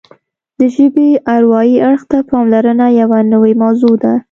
د ژبې اروايي اړخ ته پاملرنه یوه نوې موضوع ده